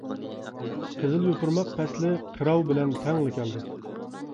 قىزىل يوپۇرماق پەسلى قىروۋ بىلەن تەڭلا كەلدى.